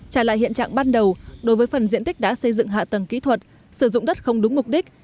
trả lại hiện trạng ban đầu đối với phần diện tích đã xây dựng hạ tầng kỹ thuật sử dụng đất không đúng mục đích